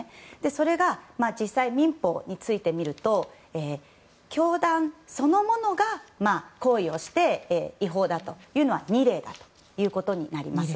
それが、実際民法について見ると教団そのものが行為をして違法だというのは２例だということになります。